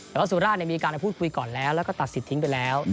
แต่สุราชมีการพูดคุยก่อนแล้วตัดสิทธิ์ไปแล้ว